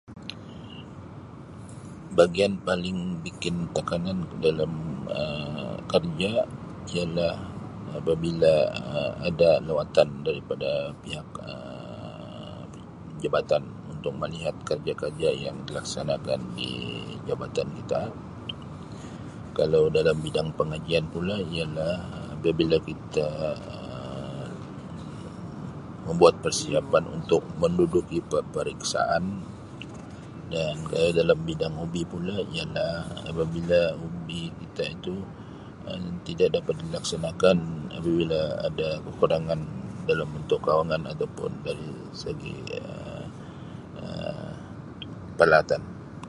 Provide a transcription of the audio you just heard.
Bagian paling bikin tekanan dalam Um kerja ialah Um apabila Um ada lawatan daripada pihak Um jabatan untuk melihat kerja-kerja yang dilaksanakan di jabatan kita. Kalau dalam bidang pengajian pula ialah Um apabila kita Um membuat persiapan untuk menduduki peperiksaan dan kalau dalam bidang hobi pula ialah apabila hobi kita itu Um tidak dapat dilaksanakan apabila ada kekurangan dalam bentuk kewangan ataupun dari segi Um peralatan.